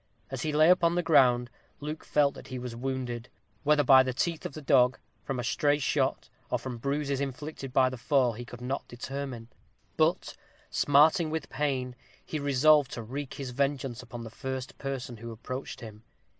As he lay upon the ground, Luke felt that he was wounded; whether by the teeth of the dog, from a stray shot, or from bruises inflicted by the fall, he could not determine. But, smarting with pain, he resolved to wreak his vengeance upon the first person who approached him.